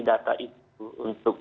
data itu untuk